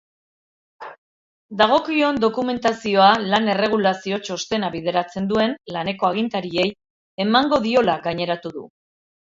Dagokion dokumentazioa lan-erregulazio txostena bideratzen duen laneko agintariei emango diola gaineratu du.